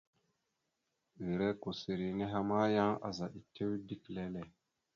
Ere kousseri nehe ma, yan azaɗ etew dik lele.